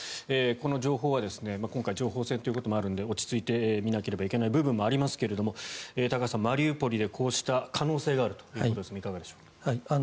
この情報は今回情報戦ということもあるので落ち着いて見なければいけない部分はありますが高橋さん、マリウポリでこうした可能性があるということですがいかがでしょうか。